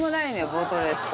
ボートレースと。